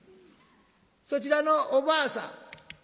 そちらのおばあさん？」。